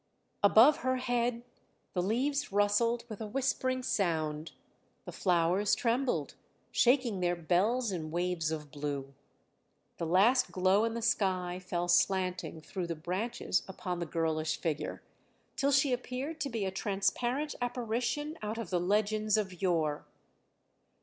Above her head the leaves rustled with a whispering sound; the flowers trembled, shaking their bells in waves of blue. The last glow in the sky fell slanting through the branches upon the girlish figure, till she appeared to be a transparent apparition out of the legends of yore.